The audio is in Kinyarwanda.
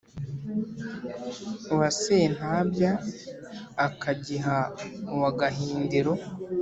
uwa séntabya ákagiha uwa gahindiro